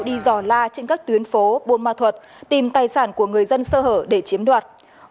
đi dò la trên các tuyến phố bôn ma thuật tìm tài sản của người dân sơ hở để chiếm đoạt